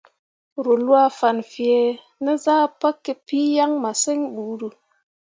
Ruu lwaa fan fẽẽ ne zah pǝkǝpii yaŋ masǝŋ buuru.